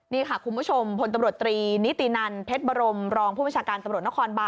นี่ค่ะคุณผู้ชมผบตรนิตินันพบรภมตนบ